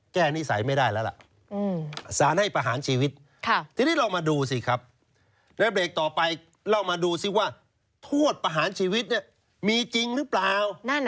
โทษประหารชีวิตมีมีจริงหรือเปล่า